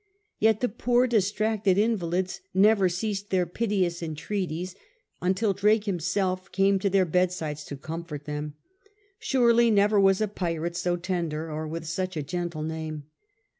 Yet the poor distracted invalids never ceased their piteous entreaties until Drake himself came to their bedsides to comfort them. Surely never was a pirate so tender, or with such a gentle name.